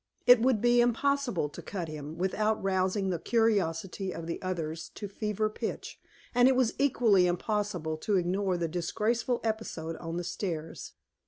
It would be impossible to cut him, without rousing the curiosity of the others to fever pitch; and it was equally impossible to ignore the disgraceful episode on the stairs.